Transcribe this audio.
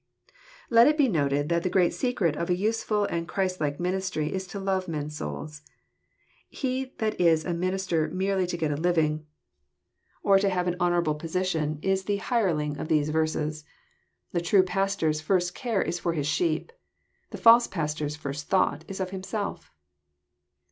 Let it be noted that the great secret of a useful .ind Christ like ministry is to love men's souls. He that is a minister merely to get a living, or to have an honourable position, is JOHN, CHAP. X. 195 the hireling" of these verses. The true pastor's first care is for his sheep. The false pastor's first thought is for himself.